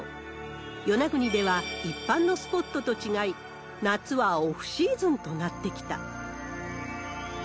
与那国では、一般のスポットと違い、夏はオフシーズンとなってきた。